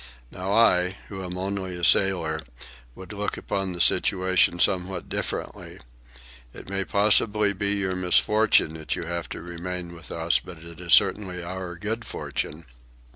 Now I, who am only a sailor, would look upon the situation somewhat differently. It may possibly be your misfortune that you have to remain with us, but it is certainly our good fortune."